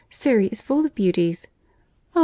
Surry is full of beauties." "Oh!